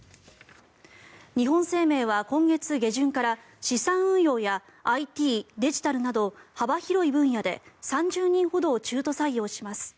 日本生命は今月下旬から資産運用やＩＴ・デジタルなど幅広い分野で３０人ほどを中途採用します。